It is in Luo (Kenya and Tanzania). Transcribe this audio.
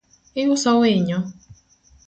Iuso winyo?